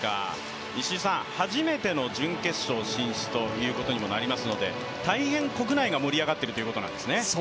初めての準決勝進出となりますので、大変、国内が盛り上がっているということなんですね。